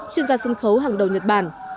chuyên gia sân khấu hàng đầu nhật bản